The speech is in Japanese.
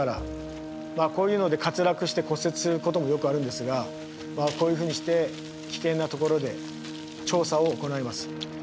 こういうので滑落して骨折することもよくあるんですがこういうふうにして危険なところで調査を行います。